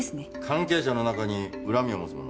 関係者の中に恨みを持つ者は？